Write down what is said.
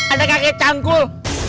ada kakek canggul